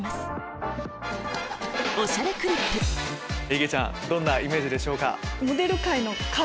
いげちゃんどんなイメージでしょうか？